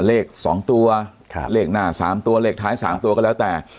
เลข๒ตัวเลขหน้า๓ตัวเลขท้าย๓ตัวก็แล้วแต่